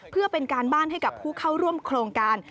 เพื่อเป็นการบ้านให้กับผู้เข้าร่วมโครงการ